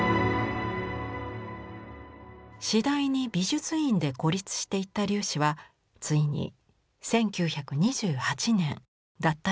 次第に美術院で孤立していった龍子はついに１９２８年脱退します。